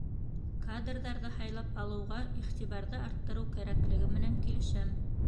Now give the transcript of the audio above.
Кадрҙарҙы һайлап алыуға иғтибарҙы арттырыу кәрәклеге менән килешәм.